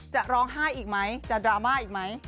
จะร้องไห้อีกไหมจะดราม่าอีกไหม